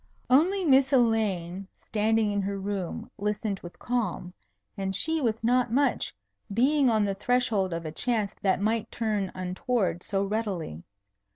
Only Miss Elaine standing in her room listened with calm; and she with not much, being on the threshold of a chance that might turn untoward so readily.